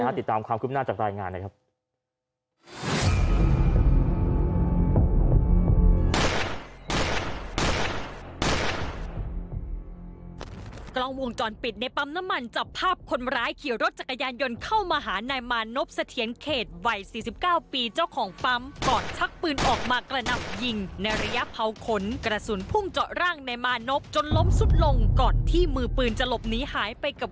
ติดตามความคืบหน้าจากรายงานนะครับ